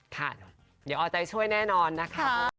ค่ะเดี๋ยวเอาใจช่วยแน่นอนนะคะ